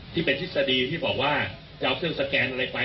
ที่เป็นทฤษฎีที่บอกว่าจะเอาเสื้อสแกนอะไรไป